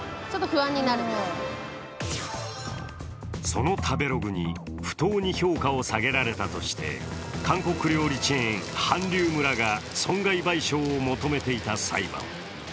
その食べログに不当に評価を下げられたとして韓国料理チェーン、韓流村が損害賠償を求めていた裁判。